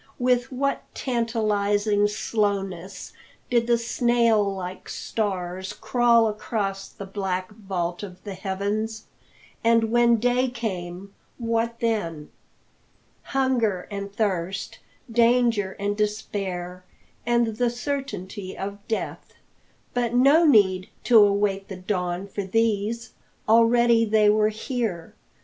With what tantalising slowness did the snail like stars crawl across the black vault of the heavens! And when day came, what then? Hunger and thirst, danger and despair, and the certainty of death! But no need to await the dawn for these; already they were here.